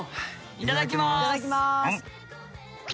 いただきます。